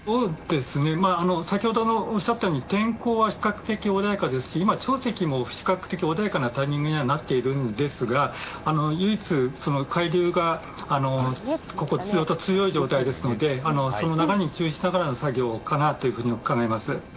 先ほどおっしゃったように天候は比較的穏やかですし今、潮汐も穏やかなタイミングになっていますが唯一、海流が強い状態ですのでその流れに注意しながらの作業かなと考えます。